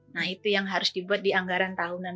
nah itu yang harus dibuat di anggaran tahunan